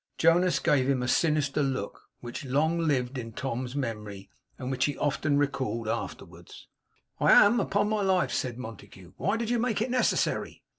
Jonas gave him a sinister look, which long lived in Tom's memory, and which he often recalled afterwards. 'I am, upon my life,' said Montague. 'Why did you make it necessary?